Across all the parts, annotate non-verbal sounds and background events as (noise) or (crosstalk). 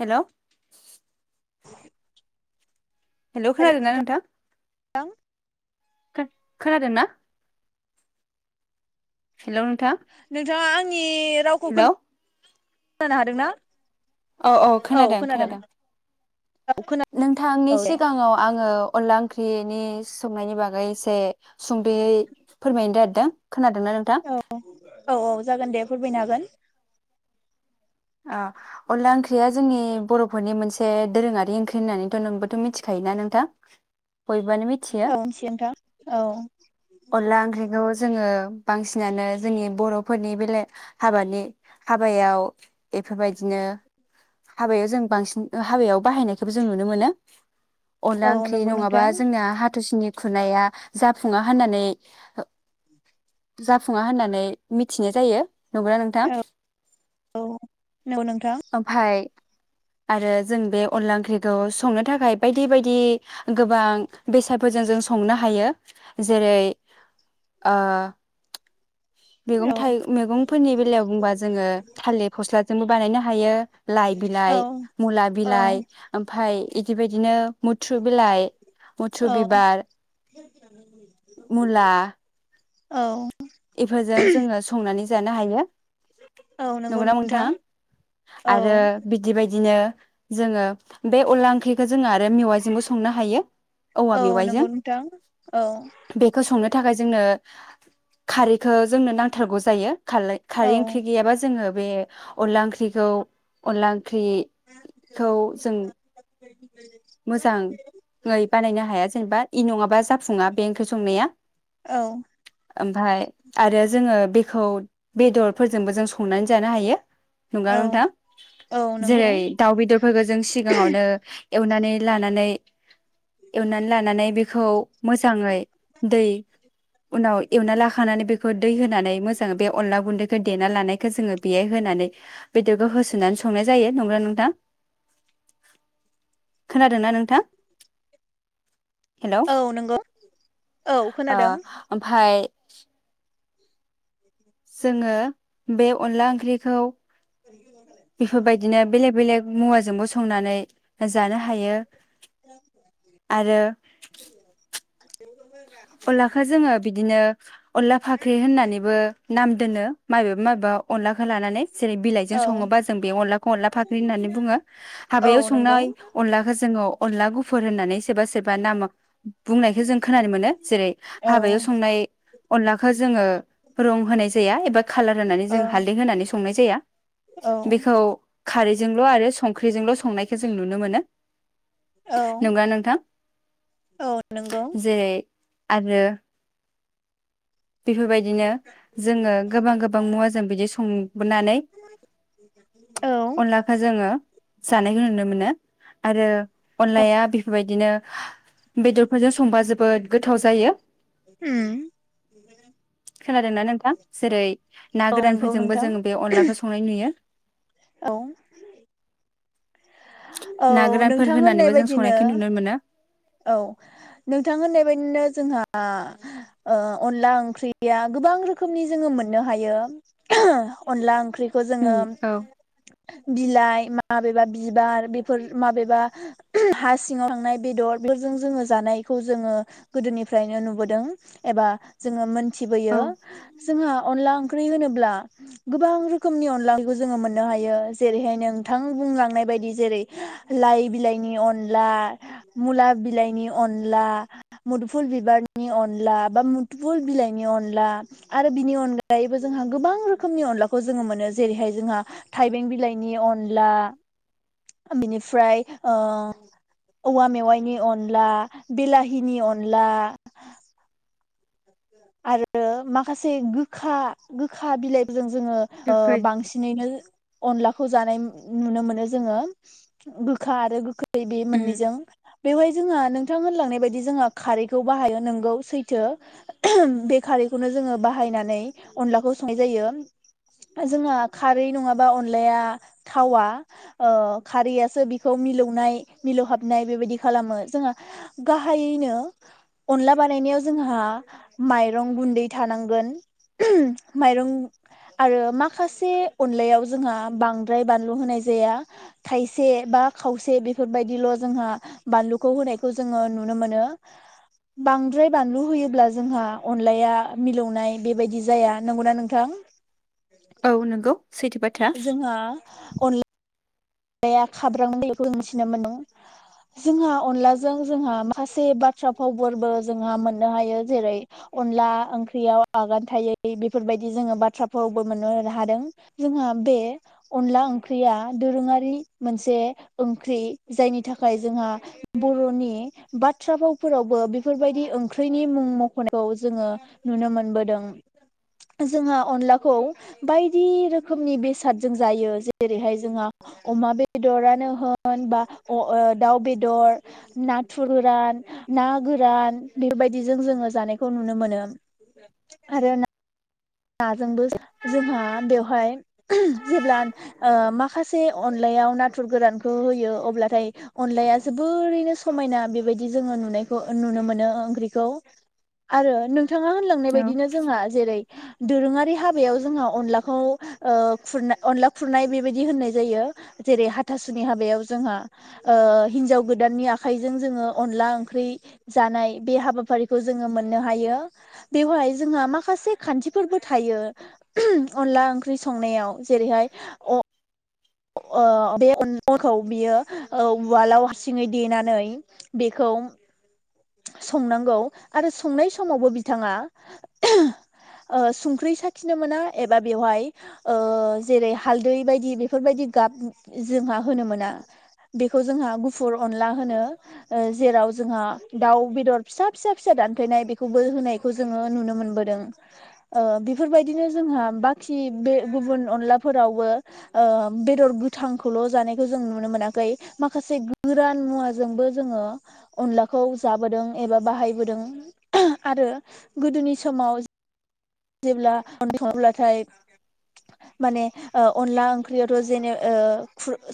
Hello. (inaudible) हेल' खोनादों ना नोंथां? खो-खोनादोंना? हेलौ नोंथां नोंथाङा आंनि रावखौ हेलौ खोना खोनादोंना? औ औ खोनादों खोनादों। औ खोना नोंथांनि औ दे सिगाङाव आङो अनला ओंख्रिनि संनायनि बागै एसे सुंद'यै फोरमायनो नागिरदों। खोनादोंना नोंथां? औ औ औ जागोन दे फोरमायनो हागोन। ओ अनला ओंख्रिया जोंनि बर'फोरनि मोनसे दोरोङारि ओंख्रि होननानैथ' नोंबोथ' मिथिखायोना नोंथां बयबोआनो मिथियो। औ मिथियो नोंथां औ अनला ओंख्रिखौ जोङो बांसिनानो जोंनि बर'फोरनि बेलेग हाबानि हाबायाव बेफोरबायदिनो हाबायाव जों बांसिन हाबायाव बाहायनायखौबो जों नुनो मोनो। अनला औ ओंख्रि नंगौ नङाबा नोंथां जोंनाया हाथासुनि खुरनाया जाफुङा होननानै जाफुङा होननानै मिथिनाय जायो। नंगौना नोंथां? नोंगौ नोंथां। ओमफाय आरो जों बे अनला ओंख्रिखौ संनो थाखाय बायदि बायदि गोबां बेसादफोरजों जों संनो हायो। जेरै ओ मेगं औ थाय मेगंफोरनि बेलायाव बुंबा जोङो थालिर फस्ला बानायनो हायो। लाइ औ बिलाय, मुला बिलाय ओमफाय इदि बायदिनो मुथ्रु बिलाय, मुथ्रु औ बिबार, मुला औ इफोरजों जोङो संनानै जानो हायो। औ नंगौ नंगौना नोंथां? औ आरो बिदि बाय दिनो जोङो बे अनला ओंख्रिखो जोंङो आरो मेवाइजोंबो संनो हायो औवा औ नंगौ मेवाइजों। नोंथां औ बेखौ संनो थाखाय जोंनो खारैखो जोंनो नांथारगौ जायो। खालै खारै औ ओंख्रि गैयाबा जोङो बे अनला ओंख्रिखौ अनला औ ओंख्रिखौ जों मोजाङै बानायनो हाया जेनेबा इ नङाबा जाफुङा बे ओंख्रि संनाया। ओमफ्राय आरो जोङो बेखौ बेदरफोरजोंबो जों संनानै जानो हायो। नंगौना औ नोंथां? औ नंगौ जेरै दाउ बेदरफोरखौ जों सिगाङावनो एवनानै लानानै एवनानै लानानै बेखौ मोजाङै दै उनाव एवना लाखानानै बे‌ खो दै होनानै मोजां अनला गुन्दैखौ देना लानायखो जोङो बेाय होनानै बेदरखो होसोननानै संनाय जायो। नंगौना नोंथां? खोनादोंना नोंथां? हेलौ। औ नंगौ औ ओ खोनादों ओमफाय (inaudible) जोङो बे अनला ओंख्रिखौ बेफोरबायदिनो बेलेख बेलेख मुवाजोंबो संनानै जानो हायो। आरो (inaudible) अनलाखो जोङो बिदिनो (inaudible) अनला फाख्रि होननानैबो नाम दोनो। माबेबा माबेबा अनला खौ लानानै जेरै बिलाइ जों औ सङोब्ला जोंङो बे अनलाखौ अनला फाख्रि होननानै बुङो औ हाबायाव नंगौ संनाय अनलाखौ जोंङो गु होननानै सोरबा सोरबा नाम बुंनायखौ जों खोनानो मोन जेरै औ हाबायाव संनाय अनलाखौ जोङो रं होनाय जाया एबा कालार होनानै औ जों हालदै होनानै संनाय जाया औ बेखौ खारैजोंल' आरो संख्रिजोंल' संनायखौ जों नुनो मोनो औ नंगौना नोंथां औ नंगौ जेरै आरो बेफोरबायदिनो जोङो गोबां गोबां मुवा जों बिदि सं बुानै औ अनलाखौ जोङो जानायखौ नुनो मोनो। आरो अनलाया बेफोरबायदिनो बेदरफोरजों संबा जोबोद गोथाव जायो। उम खोलाादोंनाा नोंथां? जेरै- ना औ नंगौ गोरानफोरजोंबो नोंथां जोङो बे अनलाखौ संनाय नुयो। औ औ ना गोरानफोर नोंथां होननाय होननानैबो जों बायदिनो संनायखौ नुनो मोनो। औ नोंथां होननाय बायदिनो जोंहा ओ अनला ओंख्रिया गोबां रोखोमनि जोङो मोननो हायो ।अनला ओंख्रि उम जों औ बिलाइ माबेबा बिबार बेफोर माबेबा हा सिङाव थांनाय बेदर जोंंओ जानायखौ जोङो गोदोनिफ्रायनो नुबोदों एबा जो मोन औ थिबोयो जोंहा अनला ओंख्रि होनोब्ला गोबां रोखोमनि अनला ओंख्रिखौ जोङो मोननो हायो जेरैहाय नोंथां बुंलांनाय बायदि जेरै लाइ बिलाइनि अनला मुला बिलाइनि अनला मुदुफुल बिबारनि अनला बा मुदफुल बिलाइनि अनला मुदुफुल बिबारनि अनला बा मुदुफुल बिलाइनि अनला आरो बिनि अनगायैबो जोंहा गोबां रोखोमनि अनलाखौ जोङो मोनो जेरैहाय जोंहा थाइबें बिलाइनि अनला बिनिफ्राय ओ औवा मेवाइनि अनला बिलाहनि अनला आरो माखासे गोखा-गोखा बिलाइबो जों जोङो गोखै बांसिनैनो अनलाखौ जानाय नुनो मोनो जोङो गोखा आरो गोखै बि बे उम मोननैजों बेवहाय जोंहा नोंथां होनलांनाय बायदि जोंहा खारैखौ बाहायो। नोंगौ सैथो बे खारैखौनो जोङो बाहायनानै अनलाखौ संनाय जायो। जोंहा खारै नङाबा अनलाया थावा ओ खारैयासो बेखौ मिलौनाय मिलौहाबनाय बेबायदि खालामो जोंहा गाहायैनो अनला बानायनायाव जोंहा माइरं गुन्दै थानांगोन माइरं आरो माखासे अनलायाव जोंहा बांद्राय बानलु होनाय जाया थायसे बा खावसे बेफोरबायदिल' जोंहा बानलुखौ होनायखौ जोङो नुनो मोनो। बांद्राय बानलु होयोब्ला जोंहा अनलाया मिलौनाय बेबायदि जाया नंगौना नोंथां? औ नंगौ सैथो बाथ्रा जोंहा अनला अनलाया खाब्रां बेखौ मिथिनो मोनो जोंहा अनलाजों जोंहा माखासे बाथ्रा भावफोरबो जोंहा मोननो हायो जेरै अनला ओंख्रियाव आगान थायै बेफोरबायदि जोङो बाथ्रा फावबो मोननो हादों जोंहा बे अनला ओंख्रिया दोरोङारि बे मोनसे ओंख्रि जायनि थाखाय जोंहा बर'नि बाथ्रा भावफोरावबो बेफोरबायदि ओंख्रिनि मुं मख'नायखौ जोङो नुनो मोनबोदों। जोंहा अनलाखौ बायदि रोखोमनि बेसादजों जायो जेरैहाय जोंहा अमा बेदरानो होन बा दाउ बेदर, नाथुर गोरान, ना गोरान बेबायदिजों जोङो जानायखौ नुनो मोनो आरो ना नाजोंबो जोंहा बेवहाय जेब्ला ओ माखासे अनलायाव नाथुर गोरानखौ होयो अब्लाथाय अनलाया जोबोरैनो समायना बेबायदि जोङो नुनायखौ नुनो मोनो ओंख्रिखौ आरो थाङा होनलांनाय औ बायदिनो जोंहा जेरै दोरोङारि हाबायाव जोंहा अनलाखौ ओ खुरनाय अनला खुरनाय बेबायदि होननाय जायो जेरै हाथासुनि हाबायाव जोंहा हिन्जाव गोदाननि आखाइजों जोङो अनला ओंख्रि जानाय बे हाबाफारिखौ जोङो मोननो हायो बेवहाय जोंहा माखासे खान्थिफोरबो थायो। अनला ओंख्रि संनायाव जेरैहाय ओ बे अनखौ बियो उवालाव हारसिङै देनानै बेखौ संनांगौ आरो संनाय समावबो बिथाङा संख्रि साखिनो मोना एबा बेवहाय जेरै हालदै बायदि बे बेफोरबायदि गाब जोंहा होनो मोना बेखौ जोंहा गुफुर अनला होनो जेराव जोंहा दाउ बेदर फिसा फिसा फिसा दानफेनाय बेखौबो होनायखौ जोङो नुनो मोनबोदों बेफोरबायदिनो जोंहा बाखि बे गुबुन अनलाफोरावबो बेदर गोथांखौल' जानायखौ जों नुनो मोनाखै माखासे गोरान मुवाजोंबो जोङो अनलाखौ जाबोदों एबा बाहायबोदों आरो गोदोनि समाव जेब्ला (unintelligible) माने अनला ओंख्रियावथ' जेने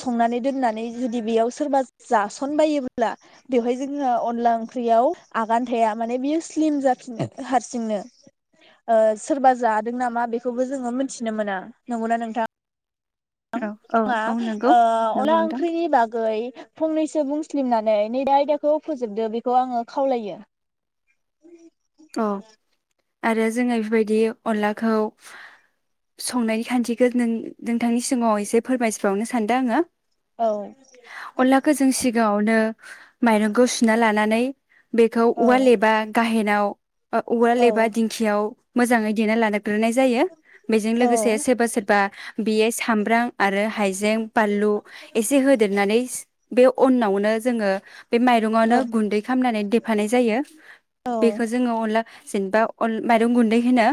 संनानै दोननानै जुदि बेयाव सोरबा जासनबायोब्ला बेवहाय जोङो अनला ओंख्रियाव आगान थाया माने बियो स्लिम जाफिनो हारसिंनो ओ सोरबा जादों नामा बेखौबो जोङो मिनथिनो मोना नंगौना नोंथां? (unintelligible) औ औ ओ औ नंगौ नंगौ अनला नोंथां ओंख्रैनि बागै फंनैसो बुं स्लिमनानै नै दा आयदाखौ फोजोबदो बेखौ आङो खावलायो अ आरो जोङो इफोरबायदि अनलाखौ संनायनि खान्थिखो नों नोंथांनि सिगाङाव एसे फोरमायसिबावनो सानदों आङो औ। गाङावनो माइरंखौ सुना लानानै बेखौ औ औवा लेबा गाहेनाव उवाल औ एबा दिंखियाव मोजाङै दे लादों ग्रोनाय जायो बेजों औ लोगोसे सोरबा सोरबा बेयो सामब्राम आरो हायजें बानलु एसे होदेरनानै बेव उनावनो जोङो बे माइरंआवनो औ गुन्दै खालामामनानै देफानाय जायो औ बेखौ जोङो अनला (unintelligible) मायरं गुन्दै होनो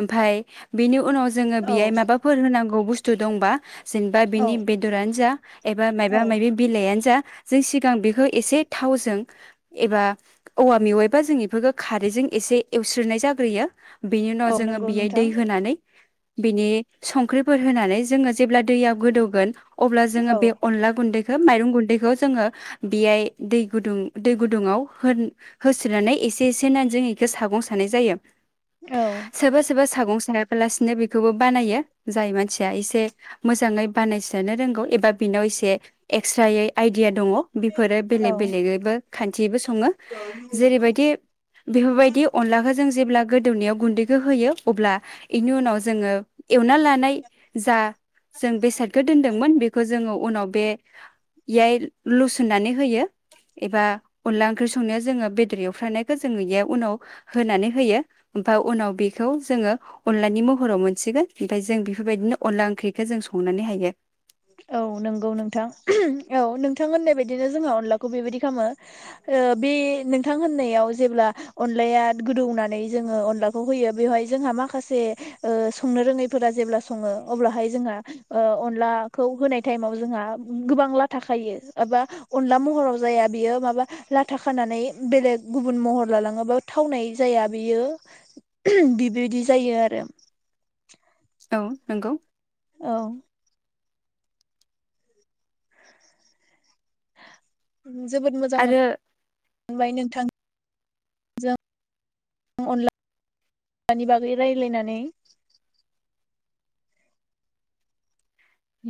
ओमफाय बिनि उनाव जोङो बेहाय औ माबाफोर होनांगौ बुस बुस्थु दंबा जेनबा औ बिनि बेदरानो जा एबा माबबा औ मायबि बिलाइआनो जा जों सिगां बेखो एसे थावजों एबा औवा मेवायबा जों इफोरखौ खारैजों एसे एवस्रोनाय जाग्रोयो बेनि उनाव औ जोङो नंगौ बेयाय दै नोंथां होनानै बिनि संख्रिफोर होनानै जोङो जेब्ला दैयाव गोदौगोन अब्ला जोङो औ बे अनला गुन्दै माइरं गुैन्दैखौ जोङो बेयाय दै गुदुं दै गुदुङाव होन होस्रोनानै ए एसे (unintelligible) जों इखो सागं सानाय जायो। औ सोरबा सोरबा सागं सिनाबालासिनो बेखौबो बानायो जाय मानसिया एसे मोजाङै बानायसोनो रोंगौ एबा बेनाव एसे एक्सट्रायै आइदिया दङ बेफोरो बेलेग औ बेलेगैबो खान्थियैबो सङो। जेरैबायदि बेफोरबायदि अनलाखो जों जेब्ला गोदौनायाव गुन्दैखौ होयो अब्ला इनि उनाव जोङो एवना लानाय जा जों बेसादखौ दोनदोंमोन बेखौ जोङो उनाव बेयाय लुसन्नानै होयो एबा अनला ओंख्रि संनायाव जोङो बेदर एवफ्रानाय खो जोङो याव उनाव होनानै होयो ओमफ्राय उनाव बेखौ जोङो अनलानि महराव मोनसिगोन ओमफाय जों बेफोरबायदिनो अनला ओंख्रिखौ जों संनानै हायो । औ नंगौ नोंथां औ नोंथां होननाय बादिनो जोंङो अनलाखौ बेबायदि खामो ओ बे नोंथां होननायाव जेब्ला अनलाया गोदौनानै जोङो अनलाखौ होयो बेवहाय जोंहा माखासे ओ संनो रोङैफोरा जेब्ला सङो अब्लाहाय जोंहा ओ अनला खौ होनाय टाइमाव जोंहा गोबां लाथा खायो एबा अनला महराव जाया बियो माबा लाथा खानानै बेलेग गुबुन महर लालाङो बा थावनाय जाया बियो बिबायदि जायो आरो। औ नंगौ। औ। जोबोद मोजां मो आरो मोनबाय नोंथांजों अनलानि बागै रायज्लायनानै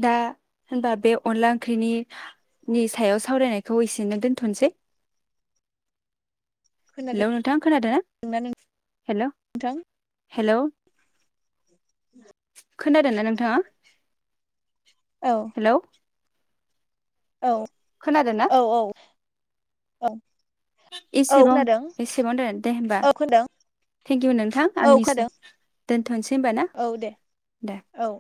दा होनबा बे अनला ओंख्रिनि नि सायाव सावरायनायखौ एसेनो दोन्थ'सै । हेलौ खोनादोंना नोंथाङा खोनादों ना? हेल' नोंथां हेल' खोनादों ना नोंथाङा? औ हेलौ! औ खोनादों ना औ औ । औ। औ एसेबाव खोनादों एसेबाव दोन दे होमबा औ खोनादों थेंकिउ नोंथां औ आंनिसो खोनादों दोनथ'नसै होनबा ना? औ दे दे । औ